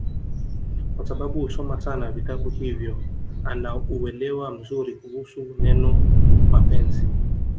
kwasababu husoma sana vitabu hivyo ana uwelewa mzuri kuhusu neno mapenzi